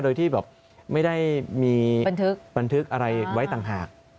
โดยที่แบบไม่ได้มีบันทึกอะไรไว้ต่างหาก